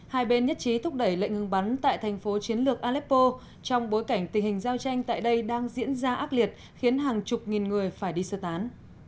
hai bên nhất trí thúc đẩy lệnh ngừng bắn tại thành phố chiến lược aleppo trong bối cảnh tình hình giao tranh tại đây đang diễn ra ác liệt khiến hàng chục nghìn người phải đi sơ tán